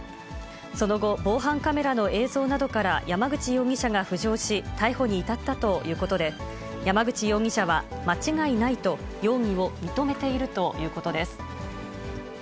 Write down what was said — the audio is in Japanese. その後、防犯カメラの映像などから山口容疑者が浮上し、逮捕に至ったということで、山口容疑者は間違いないと、容疑を認めているということです。